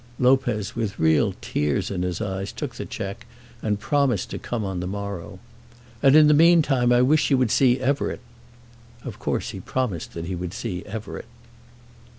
Lopez with real tears in his eyes took the cheque, and promised to come on the morrow. "And in the meantime I wish you would see Everett." Of course he promised that he would see Everett.